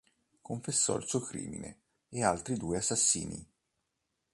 Confessò il suo crimine e altri due assassinii.